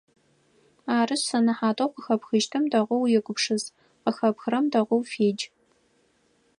Арышъ, сэнэхьатэу къыхэпхыщтым дэгъоу егупшыс, къыхэпхрэм дэгъоу федж!